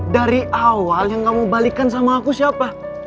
dari awal yang kamu balikan sama aku siapa